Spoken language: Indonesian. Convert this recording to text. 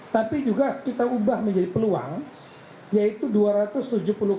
tapi juga kita ubah menjadi peluang yaitu dua ratus tujuh puluh persen